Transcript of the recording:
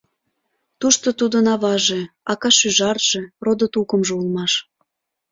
Тушто тудын аваже, ака-шӱжарже, родо-тукымжо улмаш.